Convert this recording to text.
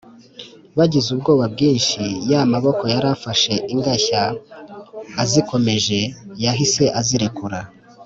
bagize ubwoba bwinshi ya maboko yari afashe ingashya azikomeje, yahise azirekura